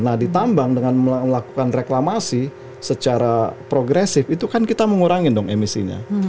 nah ditambang dengan melakukan reklamasi secara progresif itu kan kita mengurangi dong emisinya